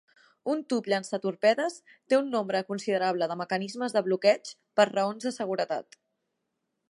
Un tub llançatorpedes té un nombre considerable de mecanismes de bloqueig per raons de seguretat.